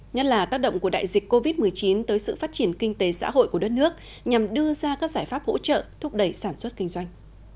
nhất là tác động của đại dịch covid một mươi chín tới sự phát triển kinh tế xã hội của đất nước nhằm đưa ra các giải pháp hỗ trợ thúc đẩy sản xuất kinh doanh